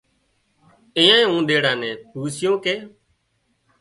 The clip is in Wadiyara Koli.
ايئانئي اونۮيڙا نين پوسيون ڪي